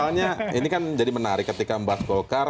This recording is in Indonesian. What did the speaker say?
ada beberapa hal yang menarik ketika membahas golkar